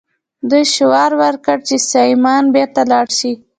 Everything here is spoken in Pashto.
دوی شعار ورکړ چې سایمن بیرته لاړ شه.